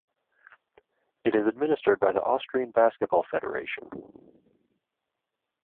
It is administered by the Austrian Basketball Federation.